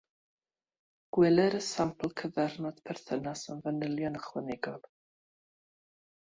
Gweler y sampl cyfernod perthynas am fanylion ychwanegol.